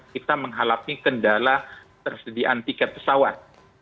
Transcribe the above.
kita menghadapi kendala tersediaan tiket pesawat